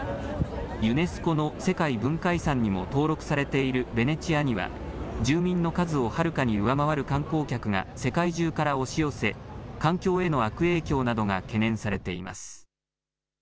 ユネスコの世界文化遺産にも登録されているベネチアには、住民の数をはるかに上回る観光客が世界中から押し寄せ、環境への悪影響などが懸念されています。